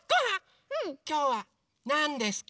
きょうはなんですか？